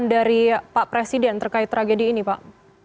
dari pak presiden terkait tragedi ini pak